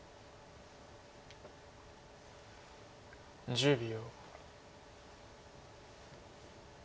１０秒。